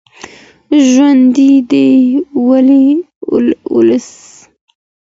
ژوندی دې وي ولس.